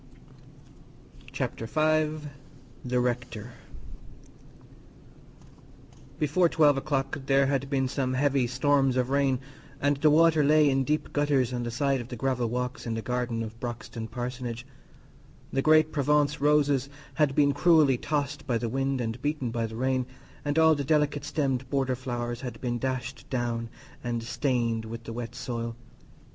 Chapter V The Rector Before twelve o'clock there had been some heavy storms of rain, and the water lay in deep gutters on the sides of the gravel walks in the garden of Broxton Parsonage; the great Provence roses had been cruelly tossed by the wind and beaten by the rain, and all the delicate stemmed border flowers had been dashed down and stained with the wet soil.